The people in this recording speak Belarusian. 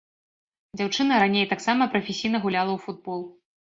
Дзяўчына раней таксама прафесійна гуляла ў футбол.